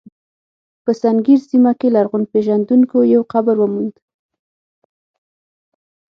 په سنګیر سیمه کې لرغونپېژندونکو یو قبر وموند.